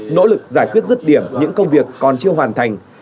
nỗ lực giải quyết rứt điểm những công việc còn chưa hoàn thành